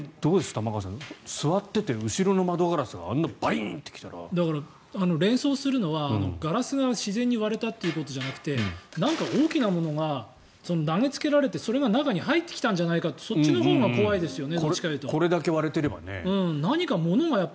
玉川さん座ってて後ろの窓ガラスが連想するのはガラスが自然に割れたということではなくて何か大きなものが投げつけられてそれが中に入ってきたんじゃないかってそっちのほうが怖いですよね。